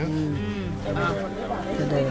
อืมตัวเดิม